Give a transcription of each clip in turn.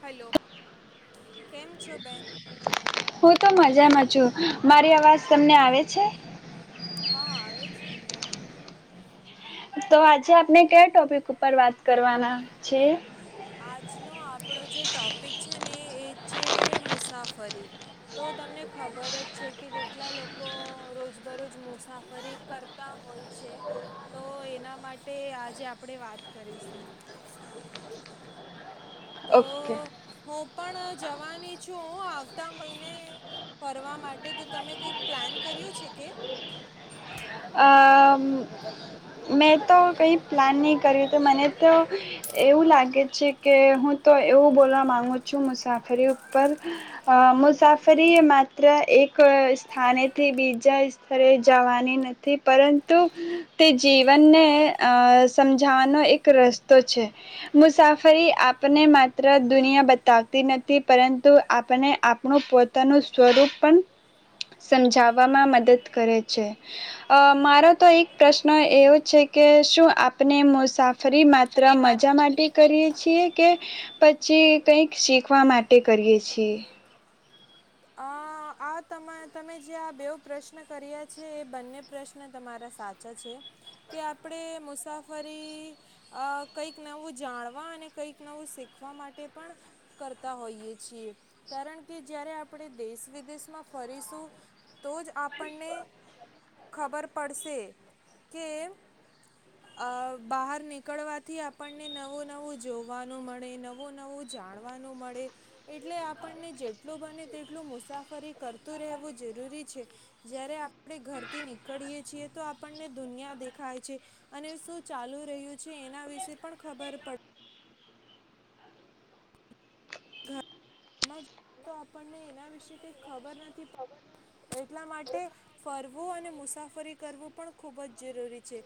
Hello. હું તો મજામાં છું મારી અવાજ તમને આવે છે. છેને. તો આજે આપ. છે આજનો આપણો જે ટોપિક છે ને એ છે મુસાફરી. તો તમને ખબર જ છે કે કેટલા લોકો રોજબરોજ મુસાફરી કરતા હોય છે તો એના માટે. જે આપણે વાત કરીશું. તો ઓકે. હું પણ જવાની છુંું આવતા મહિને ફરવા માટે તો તમે કંઈક પ્લાન કર્યો છે કે. હ. મેં તો કંઈ પ્લાન નહીં કર્યું તો મને તો એવું લાગે છે કે હું તો એવું બોલવા માગુ છું મુસાફરી ઉપર મુસાફરીએ માત્ર એક સ્થાનેથી બીજા સ્તરે જવાની નથી પરંતુ તે. જીવનને અ સમજાવાનો એક રસ્તો છે મુસાફરી આપને માત્ર દુનિયા બતાવતી નથી પરંતુ આપને આપણું પોતાનું સ્વરૂપ પણ સમજાવવામાં મદદ કરે છે અ મારો તો એક પ્રશ્ન. પ્રશ્ એવો છે કે શું આપને મુસાફ. ફરી માત્ર મજા માટે. કરીય છીએ કે પછી કઈક શીખવા માટે કરીએ છીએ. અ આ તમા તમે જે આ બેવ પ્રશ્ન કર્યા છે એ બંને પ્રશ્ન તમારા સાચા છે કે આપણે મુસાફરી કંઈક નવું જાણવા અને કંઈક નવું શીખવા માટે પણ કરતા હોઈએ છીએ કારણ કે જ્યારે આપણે દેશ વિદેશ. માં ફરીશું તો જ આપ. આપણને ખબર. પડશે કે બહાર નીકળવાથી આપણને નવું નવું જોવાનું મળે નવું નવું જાણવાનું મળે એટલે આપણને જેટલું બને તેટલું મુસાફરી. કરતું રહેવું જરૂરી છે જય્યારે આપણે ઘરથી નીકળીયએ છીએ તો આપણને દુનિયા દેખાય છે અને શું ચાલુ રહ્યું છે એના વિશે પણ ખબર પડ. આપણને એના વિશે કઈ ખબર નથી પડતી એટલા માટે ફરવું અને મુસાફરી કરવું પણ ખુબ જ જરૂરી છે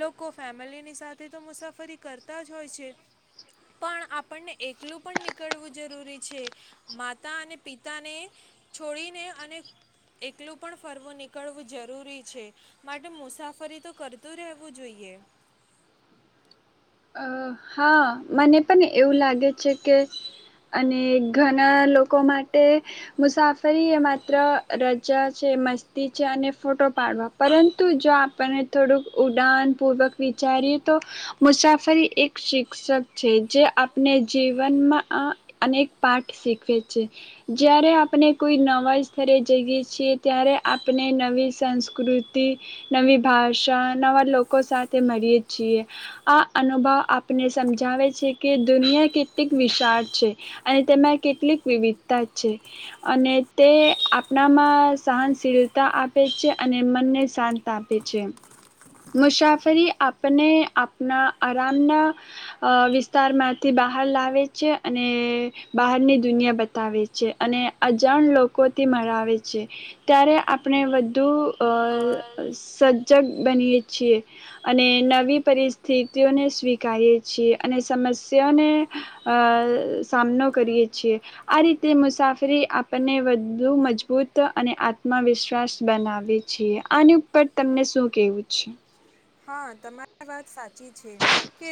લોકો ફેમિલીની સાથે તો મુસાફરી કરતા જ હોય છે પણ આપણને એકલું પણ નીકળવું જરૂરી છે. માતા અને પિતાને છોડીને અને એકલું પણ ફરવું નીકળવું જરૂરી છે માટે મુસાફરી તો કરતું રહેવું જોઈએ. અ હા મને પણ એવું લાગે છે કે અને ઘણા લોકો માટે મુસાફરી એ માત્ર રજા છે મસ્તી છે અને ફોટો પાડવા પરંતુ જો આપણને થોડુંક ઉડાન પૂર્વક વિચારીએ તો મુસાફ. આ ફરી એક શિક્ષક છે જે આપણે જીવનમાં અનેક પાઠ શીખવે છે જ્યારે આપણે કોઈ નવા સ્તરે જઈએ છીએ ત્યારે આપણે નવી સંસ્કૃતિ નવી ભાષા નવા લોકો સાથે મળીએ છીએ આ. અનુભવ આપને સમજાવે છે કે દુનિયા કેટલીક વિશાળ છે અને તેમાં કેટલીક વિવિધતા છે અને તે આપણામાં સહનશીલતા આપે છે અને મનને શાંત આપે છે મુસાફરી આપને આપણા. આરામના વિસ્તારમાંથી બહાર લાવે છે અને બહારની દુનિયા બતાવે છે અને અજાણ લોકોથી મરાવે છે ત્યારે આપણે વધુ. પર પ્લા સદ. જગ બનીએ છીએ અને નવી પરિસ્થિતિ. ને સ્વીકારીએ છીએ અને સમસ્યાઓને અ સામનો કરીએ છીએ આ રીતે મુસાફરી આપણને વધુ મજબૂત અને આત્મવિશ્વાસ બનાવેએ છીએ આની ઉપર તમને શું કેવું છે. હા તમારી વાત સાચી છે કે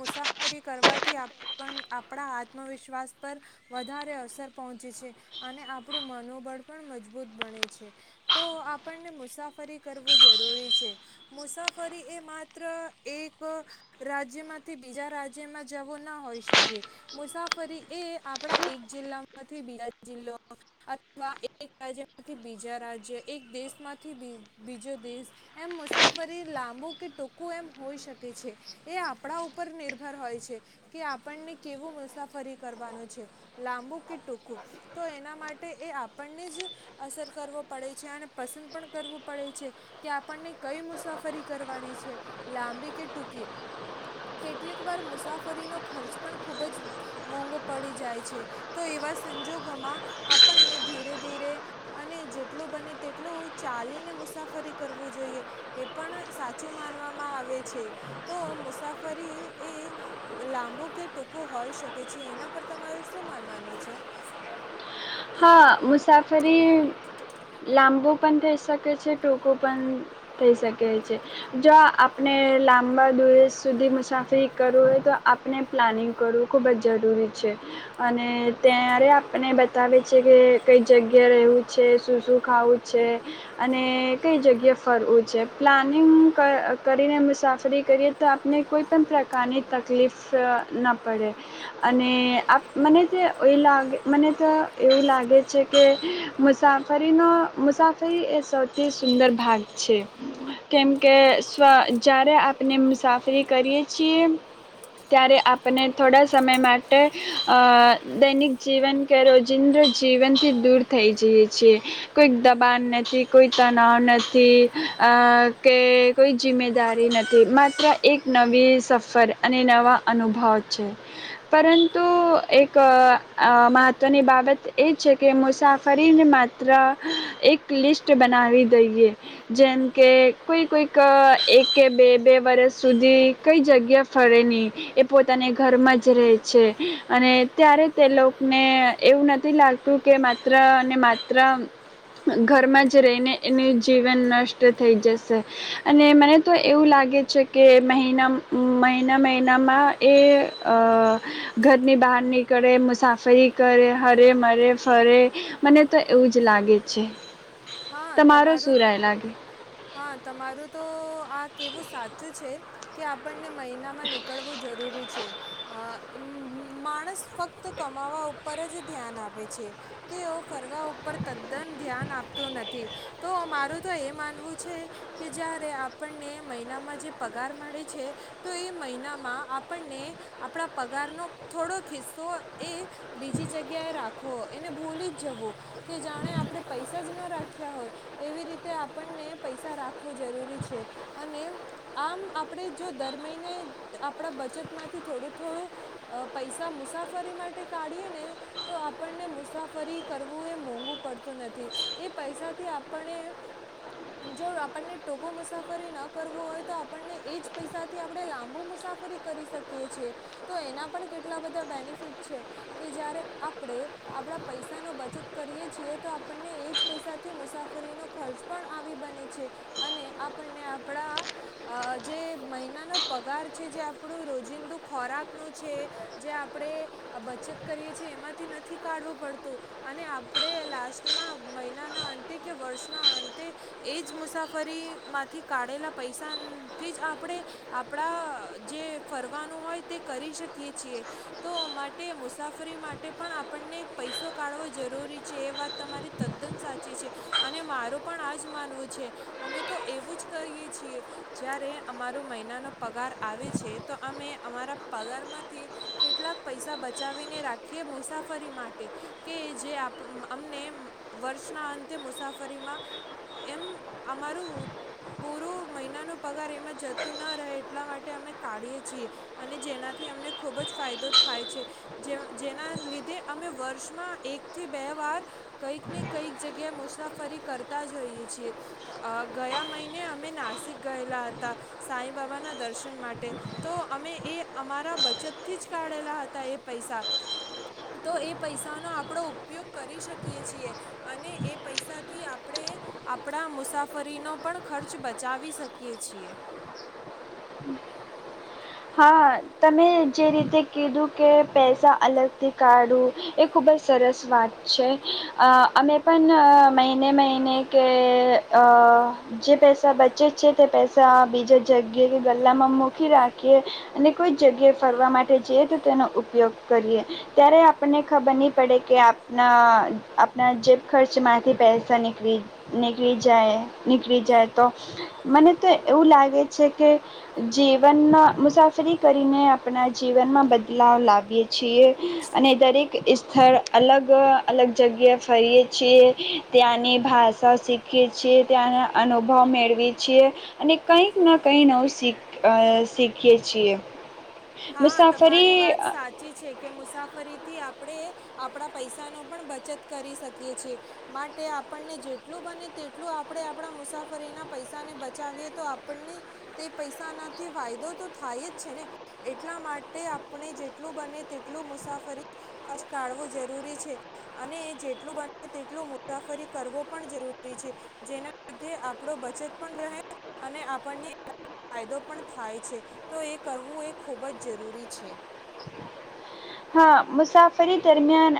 મુસાફરી કરવાથી આપણા આત્મવિશ્વાસ પર વધારે અસર પહોંચે છે અને આપણું મનોબળ પણ મજબૂત બને છે તો આપણને મુસાફરી કરવું જરૂરી છે. મુસાફરી એ માત્ર એક રાજ્યમાંથી બીજા રાજ્યમાં જવો ના હોઈ શકે મુસાફરી એ આપણા એક જિલ્લામાંથી બીજા જિલ્લો અથવા એક રાજ્યમાંથી બીજા રાજ્ય એક દેશમાંથી બીજો દેશ એમ મુસા. રી લાંબુ કે ટૂંકું એમ હોઈ શકે છે એ આપણા ઉપર નિર્ભર હોય છે કે આપણને કેવું મુસાફરી કરવાનું છે લાંબુ કે ટૂંકું તો એના માટે એ આપણને જ અસર કરવો પડે છે અને પસંદ પણ કરવું પડે છે કે આપણને કઈ. મુસાફરી કરવાની છે લાંબી કે ટૂકી કેટલીક વાર મુસાફરીનો ખર્ચ પણ ખુબ જ મોંઘો પડી જાય છે તો એવા સંજોગોમાં આપણને ધીરે ધીરે અને જેટલું બને તેટલું ચાલીને મુસાફરી કરવું જોઈએ. પણ સાચું માનવામાં આવે છે તો મુસાફરી એ લાંબુ કે ટૂંકું હોય શકે છે એના પર તમારું શું માનવાનું છે. હા મુસાફરી લાંબુ પણ થઈ શકે છે ટૂંકું પણ થઈ શકે છે જો આપણે લાંબા દુયસ સુધી મુસાફરી કરવું હોય તો આપણે પ્લાનિંગ કરવું ખૂબ જ જરૂરી છે અને ત્યારે આપણે. બતાવે છે કે કઈ જગ્યા રહેવું છે શું શું ખાવું છે અને કઈ જગ્યાએ ફરવું છે પ્લાનિંગ કરીને મુસાફરી કરીએ તો આપને કોઈપણ પ્રકારની તકલીફ ન પડે અને આપ મને તે એ લાગે મને તો. એવું લાગે છે કે મુસાફરીનો મુસાફરી એ સૌથી સુંદર ભાગ છે કેમકે સ્ જ્યારે આપણે મુસાફરી કરીએ છીએ ત્યારે આપને થોડા સમય માટે દૈનિક જીવન કે જિંદ્રજીીવનથી દૂર થઈ જઈએ છીએ કોઈક દબાન નથી કોઈ તનાવ નથી અ કે કોઈ જિમ્મેદારી નથી માત્ર એક નવી સફર અને નવા અનુભવ છે પરંતુ એક અ મહત્ત્વની બાબ બત એ છે કે મુસાફરીને માત્ર એક લિસ્ટ બનાવી દઈએ જેમ કે કોઈ કોઈક એક કે બે બે વરષ સુધી કઈ જગ્યા ફરે ની એ પોતાને ઘરમાં જ રે છે અને ત્યારે તે લોક ને એવું નથી લાગતું કે માત્ર અનેને માત્ર ઘરમાં જ રહીને એનું જીવન નષ્ટ થઈ જશે અને મને તો એવું લાગે છે કે મહિના મહિના મહિનામાં એ અ ઘરની બહાર નીકળે મુસાફરી કરે હરે મરે ફરે મને તો એવું જ લાગે છે. હા તમારો તમારું શું રાય લાગે હા તમારું તો આ કેવું સાચું છે. કે આપણ મહિના માં નીકળવું જરૂરી છે. માણસ ફક્ત કમાવા ઉપર જ ધ્યાન આપે છે તેઓ ફરવા ઉપર તદ્દન ધ્યાન આપ તો નથી તો મારું તો એ માનવું છે કે જ્યારે આપણને મહિનામાં જે પગાર મળે છે તો એ મહિનામાં આપણને આપણા પગારનો થોડોક ખિસ્સો એ બીજી જગ્યાએ રાખવો એને ભૂલી જ જવો કે જાણે આપણે પૈસા પૈસા જ ન રાખ્યા હોય એવી રીતે આપણને પૈસા રાખવું જરૂરી છે અને આમ આપણે જો દર મહિને આપણા બચતમાંથી થોડું થોડું અ પૈસા મુસાફરી માટે કાઢીએ ને તો આપણને મુસાફરી કરવું એ મોંઘું પડતું નથી. એ પૈસાથી આપણે જો આપણને ટોકો મુસાફરી ના કરવું હોય તો આપણને એ જ પૈસાથી આપણે લાંબુ મુસાફરી કરી શકીએ છીએ તો એના પણ કેટલા બધા બેનિફિટ છે કે જયારે આપણે આપણા પૈસાનો બચત કરીએ છીએ તો આપણને એ જ પૈસાથી મુસાફરીનો ખર્ચ પણ આવી બને છે અને આપણને આપણા અ જે મહિનાનો પગાર છે જે આપણું રોજિંદું ખોરાકનું છે જે આપણે બચત કરીએ છીએ એમાંથી નથી કાઢવું પડતું અને આપણે લાસ્ટ માં મહિનાના અંતે કે વર્ષના અંતે એ જ મુસાફરીમાંથી કાઢેલા પૈસાથી જ આપણે આપણા જે ફરવાનું હોય તે કરી શકીએ છીએ તો માટે મુસાફરી માટે પણ આપણને પૈસો કાઢવો જરૂરી છે એ વાત તમારી તદ્દન સાચી છે અને મારું પણ આ જ માનવું છે અમે તો એવું જ કરીએ છીએ જ્યારે અમારો મહિનાનો પગાર આવે છે તો અમે અમારા પગારમાંથી કેટલાક પૈસા બચાવીને રાખીએ મુસાફરી માટે કે જે આપ અમને વર્ષના અંતે મુસાફરીમાં એમ અમારું પૂરું મહિનાનો પગાર એમાં જતું ના રહે એટલા માટે અમે કાઢીએ છીએ અને જેનાથી અમને ખુબ જ ફાયદો થાય છે જે જેના લીધે અમે વર્ષમાં એકથી બે વાર કંઈક ને કંઈક જગ્યાએ મુસાફરી કરતા જોઈએ છીએ અ ગયા મહિને અમે નાસિક ગયેલા હતા સાઈ બાબાના દર્શન માટે તો અમે એ અમારા બચતથી જ કાઢેલા હતા એ પૈસા તો એ પૈસાનો આપડો ઉપયોગ કરી શકીએ. છીએ અને એ પૈસાથી આપણે આપણા મુસાફરીનો પણ ખર્ચ બચાવી શકીએ છીએ. હા તમે જે રીતે કીધું કે પૈસા અલગથી કાઢું એ ખૂબ જ સરસ વાત છે અ અમે પણ મહિને મહિને કે અ જે પૈસા બચે છે તે પૈસા બીજા જગ્યાએ કે ગલ્લામાં મૂકી રાખી એ અને કોઈ જગ્યાએ ફરવા માટે જઈએ તો તેનો ઉપયોગ કરીએ ત્યારે આપણને ખબર નહીં પડે કે આપણા આપણા જેબ ખર્ચમાંથી પૈસા નીકળી નીકળી જાય નીકળી જાય તો મને તો એવું લાગે છે કે જીવનનો મુસાફરી કરીને આપના જીવનમાં બદલાવ લાવીએ છીએ અને દરેક ઈસ્થળ અલગ અલગ જગ્યાએ ફરીએ છીએ ત્યાંની ભાષા શીખીએ છીએ ત્યાંના અનુભવ મેળવીએ છીએ અને કંઈક ન કંઈ નવું શીખ અ શીખ એ છીએ. હા તમારી મુસાફરી વાત સાચી છે કે મુસાફરીથી આપ આપણે આપણા પૈસાનો પણ બચત કરી શકીએ છીએ. માટે આપણને જેટલું બને તેટલું આપણે આપણા મુસાફરીના પૈસાને બચાવીએ તો આપણને તે પૈસાનાથી ફાયદો તો થાય જ છે ને. એટલા માટે આપણે જેટલું બને તેટલું મુસાફરી ખર્ચ કાઢવું જરૂરી છે. અને એ જેટલું બને તેટલું મુસાફરી કરવો પણ જરૂરી છે. જેના લીધે આપણો બચત પણ રહે અને આપણને ફાયદો પણ થાય છે તો એ કરવું એ ખૂબ જ જરૂરી છે. હા મુસાફરી દરમિયાન